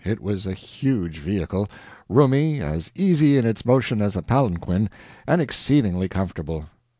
It was a huge vehicle, roomy, as easy in its motion as a palanquin, and exceedingly comfortable.